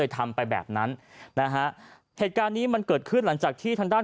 ทำไปแบบนั้นนะฮะเหตุการณ์นี้มันเกิดขึ้นหลังจากที่ทางด้าน